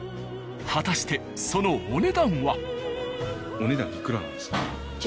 果たしてそのお値段は？